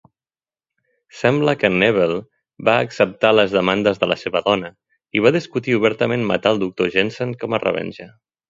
Sembla que Nebel va acceptar les demandes de la seva dona i va discutir obertament matar el doctor Jensen com a revenja.